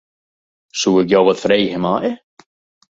Soe ik jo wat freegje meie?